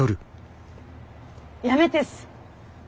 やめてっす。